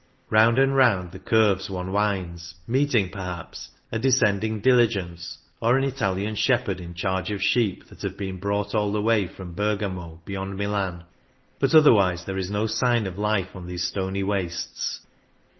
Round and round the curves one winds, meeting, perhaps,, a descending diligence, or an Italian shepherd in charge of sheep that have been brought all the way from Bergamo, beyond Milan; but otherwise there is no sign of life on these stony wastes.